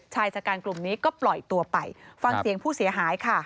ชายชะกันกลุ่มนี้ก็ปล่อยตัวไปฟังเสียงผู้เสียหายค่ะ